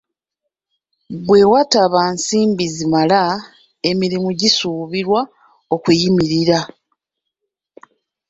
Bwe watabawo nsimbi zimala, emirimu gisuubirwa okuyimirira.